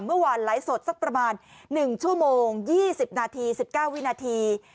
เมื่อวานไลฟ์สดสักประมาณ๑ชั่วโมง๒๐นาที๑๙วินาที